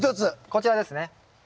こちらですね。